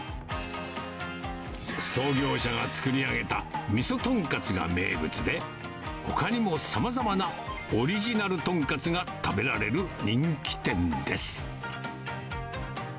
創業者が作り上げたみそとんかつが名物で、ほかにもさまざまなオリジナル豚カツが食べられる人気店です。